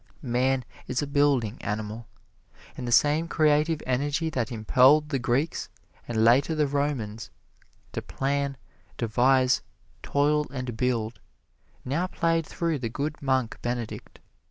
Man is a building animal, and the same Creative Energy that impelled the Greeks and later the Romans to plan, devise, toil and build, now played through the good monk Benedict.